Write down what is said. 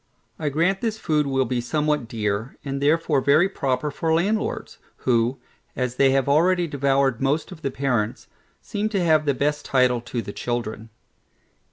I grant this food will be somewhat dear, and therefore very proper for landlords, who, as they have already devoured most of the parents, seem to have the best title to the children.